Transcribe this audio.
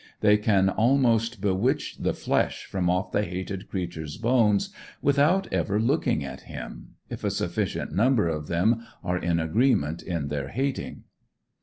They can almost bewitch the flesh from off the hated creature's bones without ever looking at him, if a sufficient number of them are in agreement in their hating.